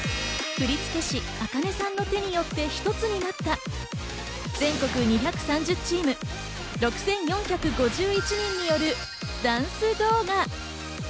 振付師・ａｋａｎｅさんの手によってひとつになった全国２３０チーム、６４５１人によるダンス動画。